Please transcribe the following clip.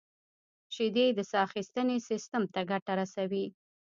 • شیدې د ساه اخیستنې سیستم ته ګټه رسوي.